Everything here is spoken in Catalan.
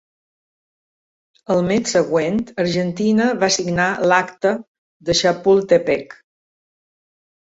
Al mes següent, Argentina va signar l'Acta de Chapultepec.